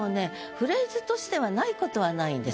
フレーズとしてはないことはないんです。